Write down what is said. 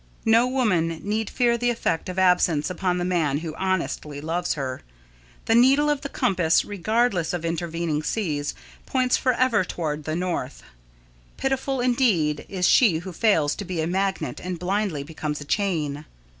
No woman need fear the effect of absence upon the man who honestly loves her. The needle of the compass, regardless of intervening seas, points forever toward the north. Pitiful indeed is she who fails to be a magnet and blindly becomes a chain.